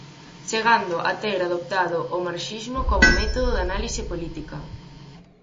Chegando a ter adoptado o marxismo como método de análise política.